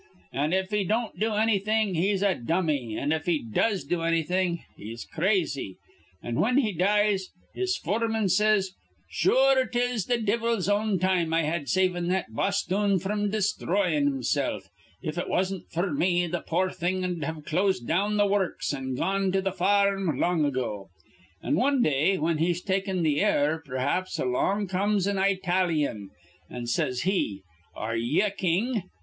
An', if he don't do annything, he's a dummy, an', if he does do annything, he's crazy; an' whin he dies, his foreman says: 'Sure, 'tis th' divvle's own time I had savin' that bosthoon fr'm desthroyin' himsilf. If it wasn't f'r me, th' poor thing'd have closed down the wurruks, an' gone to th' far rm long ago.' An' wan day, whin he's takin' th' air, p'raps, along comes an Eyetalyan, an' says he, 'Ar re ye a king?'